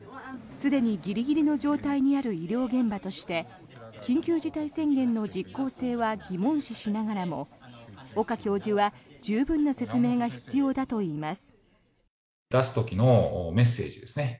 すでにギリギリの状態にある医療現場として緊急事態宣言の実効性は疑問視しながらも岡教授は十分な説明が必要だといいます。